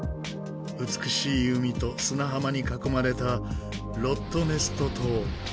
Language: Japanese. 美しい海と砂浜に囲まれたロットネスト島。